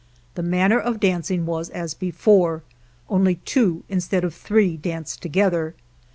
The manner of dancing was as be fore, only two instead of three danced together.